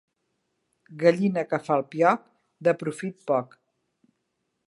Gallina que fa el pioc, de profit poc.